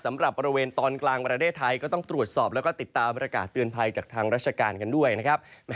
บริเวณตอนกลางประเทศไทยก็ต้องตรวจสอบแล้วก็ติดตามประกาศเตือนภัยจากทางราชการกันด้วยนะครับ